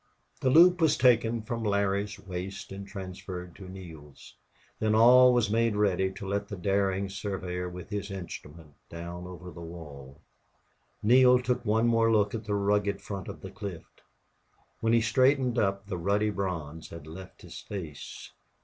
The loop was taken from Larry's waist and transferred to Neale's. Then all was made ready to let the daring surveyor with his instrument down over the wall. Neale took one more look at the rugged front of the cliff. When he straightened up the ruddy bronze had left his face.